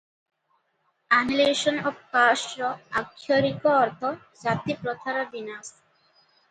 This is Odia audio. ଆନିହିଲେସନ ଅଫ କାଷ୍ଟର ଆକ୍ଷରିକ ଅର୍ଥ ଜାତିପ୍ରଥାର ବିନାଶ ।